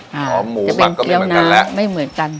อ๋อหมูหมักก็มีเหมือนกันแล้วจะเป็นเกี้ยวน้ำไม่เหมือนกัน